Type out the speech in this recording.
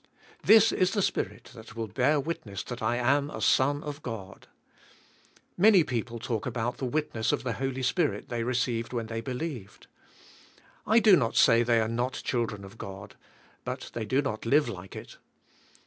This is the Spirit that will bear wit ness that I am a son of God. Many people talk about the witness of the Holy Spirit they received when they believed. I do not say they are not children of God, but they do not live like it.